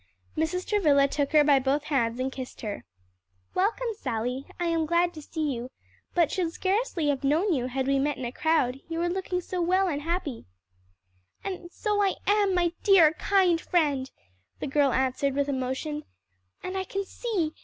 Mrs. Travilla took her by both hands and kissed her. "Welcome, Sally; I am glad to see you, but should scarcely have known you, had we met in a crowd; you are looking so well and happy." "And so I am, my dear kind friend," the girl answered with emotion; "and I can see!